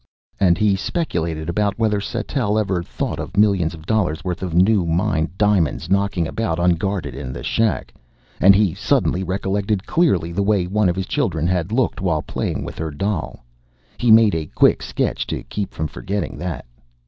And he speculated about whether Sattell ever thought of millions of dollars' worth of new mined diamonds knocking about unguarded in the shack, and he suddenly recollected clearly the way one of his children had looked while playing with her doll. He made a quick sketch to keep from forgetting that.